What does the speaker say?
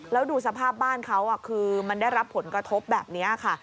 แล้วดูสภาพบ้านเขาคือมันได้รับผลกระทบแบบนี้ค่ะ